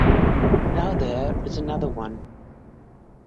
Now there is another one.